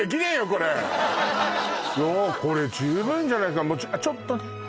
これいやこれ十分じゃないかなちょっとね